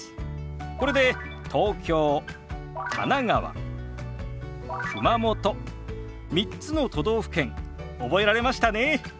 これで「東京」「神奈川」「熊本」３つの都道府県覚えられましたね。